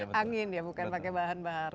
ini namanya juga angin ya bukan pakai bahan bahan